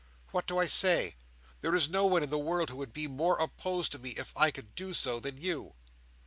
What do I say? There is no one in the world who would be more opposed to me if I could do so, than you."